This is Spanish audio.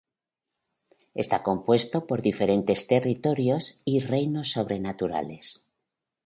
Está compuesto por diferentes territorios y reinos sobrenaturales.